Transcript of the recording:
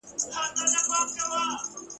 خو د کاظم خان شیدا شعر !.